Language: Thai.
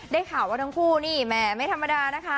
ข่าวว่าทั้งคู่นี่แหมไม่ธรรมดานะคะ